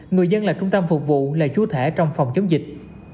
người dân là trung tâm phục vụ là chú thể trong phòng chống dịch